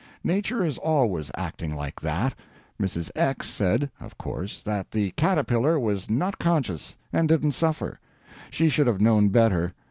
Nature is always acting like that. Mrs. X. said (of course) that the caterpillar was not conscious and didn't suffer. She should have known better.